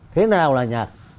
thế nào là nhạc